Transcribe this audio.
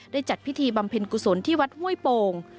จัดพิธีบำเพ็ญกุศลที่วัดห้วยโป่ง